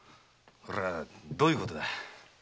これはどういうことだ？